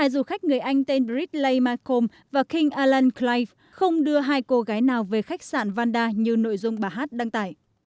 hai du khách người anh tên ridley malcolm và king alan clive không đưa hai cô gái nào về khách sạn vanda như nội dung bà hát đăng tải